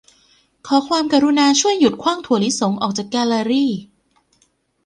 ขอความกรุณาช่วยหยุดขว้างถั่วลิสงออกจากแกลเลอรี